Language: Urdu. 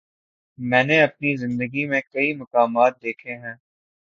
میں نے اپنی زندگی میں کئی مقامات دیکھے ہیں۔